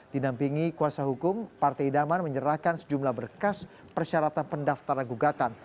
dinampingi kuasa hukum partai idaman menyerahkan sejumlah berkas persyaratan pendaftaran gugatan